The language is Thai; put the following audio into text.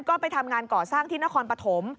ก็ไปทำงานก่อสร้างที่นครปฐม